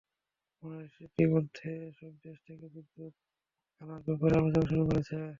বাংলাদেশ ইতিমধ্যে এসব দেশ থেকে বিদ্যুৎ আনার ব্যাপারে আলোচনা শুরু করেছে।